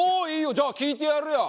じゃあ聞いてやるよ。